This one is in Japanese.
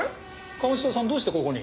鴨志田さんどうしてここに？